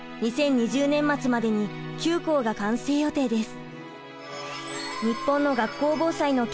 ２０２０年末までに９校が完成予定です。